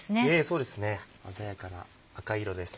そうですね鮮やかな赤い色です。